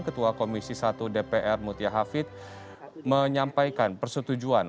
ketua komisi satu dpr mutia hafid menyampaikan persetujuan